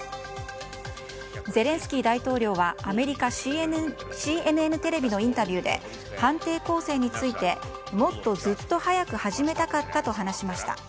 ゼレンスキー大統領はアメリカＣＮＮテレビのインタビューで反転攻勢についてもっとずっと早く始めたかったと話しました。